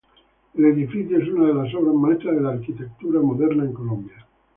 El edificio es una de las obras maestras de la arquitectura moderna en Colombia.